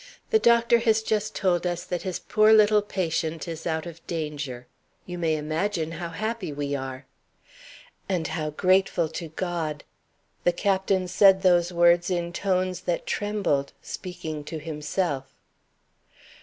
The doctor has just told us that his poor little patient is out of danger. You may imagine how happy we are." "And how grateful to God!" The Captain said those words in tones that trembled speaking to himself.